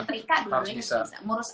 nyetrika dua duanya harus bisa